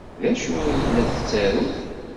D acu ay la tettaru?